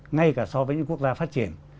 ngay cả so với những quốc gia phát triển